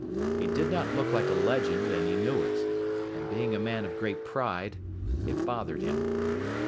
He did not look like a legend and he knew it, and, being a man of great pride, it bothered him.